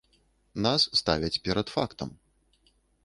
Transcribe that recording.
Нас ставяць перад фактам.